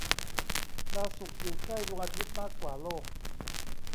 ดาวศุกร์ อยู่ใกล้ดวงอาทิตย์มากกว่าโลก